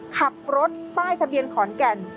ขับรถป้ายทะเบียนขอนแก่น